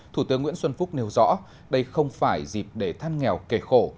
thủ tướng nguyễn xuân phúc nêu rõ đây không phải dịp để than nghèo kề khổ